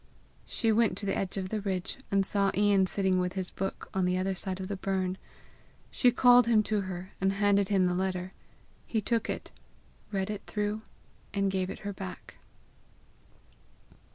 She went to the edge of the ridge, and saw Ian sitting with his book on the other side of the burn. She called him to her, and handed him the letter. He took it, read it through, and gave it her back.